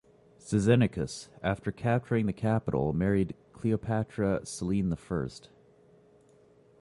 Cyzicenus, after capturing the capital, married Cleopatra Selene the First.